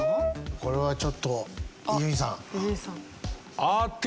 これはちょっと伊集院さん。